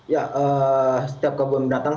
ya setiap kebun binatang